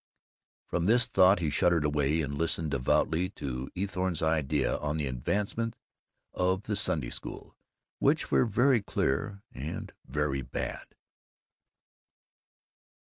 From this thought he shuddered away, and listened devoutly to Eathorne's ideas on the advancement of the Sunday School, which were very clear and very bad.